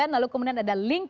lalu kemudian ada link